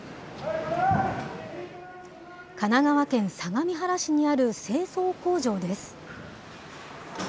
神奈川県相模原市にある清掃工場です。